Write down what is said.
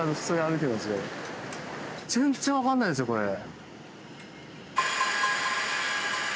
そうですね。